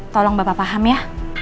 tolong bapak paham ya